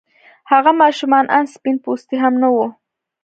هغه ماشومه آن سپين پوستې هم نه وه.